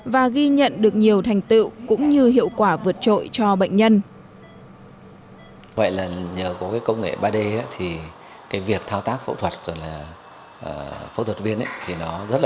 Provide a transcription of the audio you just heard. và ghi nhận được nhiều thành tựu cũng như hiệu quả vượt trội cho bệnh nhân